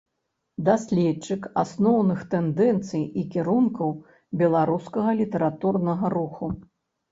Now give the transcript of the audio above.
Даследчык асноўных тэндэнцый і кірункаў беларускага літаратурнага руху.